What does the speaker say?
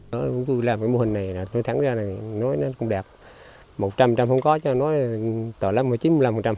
tôi làm cái mô hình này nó thắng ra là nói nó không đẹp một trăm linh không có cho nói tội lắm chín mươi năm